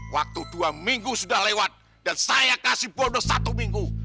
waktu dua minggu sudah lewat dan saya kasih bonus satu minggu